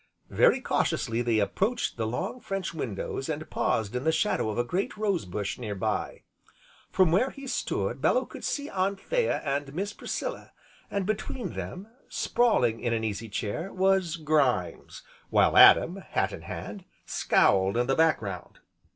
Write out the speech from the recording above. Very cautiously they approached the long French windows, and paused in the shadow of a great rose bush, near by. From where he stood Bellew could see Anthea and Miss Priscilla, and between them, sprawling in an easy chair, was Grimes, while Adam, hat in hand, scowled in the background.